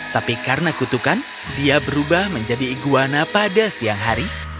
tapi karena kutukan dia berubah menjadi iguana pada siang hari